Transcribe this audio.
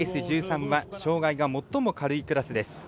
Ｓ１３は障がいが最も軽いクラスです。